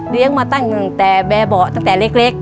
เลี้ยงมาตั้งแต่แบบบ่ะตั้งแต่เล็ก